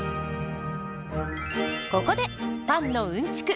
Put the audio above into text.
ここでパンのうんちく